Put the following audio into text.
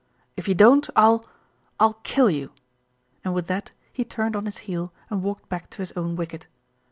If you don't I'll I'll kill you," and with that he turned on his heel and walked back to his own wicket.